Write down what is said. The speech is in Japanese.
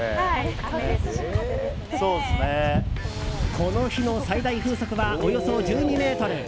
この日の最大風速はおよそ１２メートル。